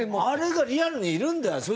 あれがリアルにいるんだよ！